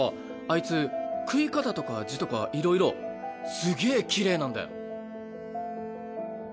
いつ食い方とか字とかいろいろすげぇきれいなんだよ・